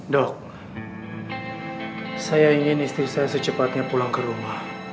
dok saya ingin istri saya secepatnya pulang ke rumah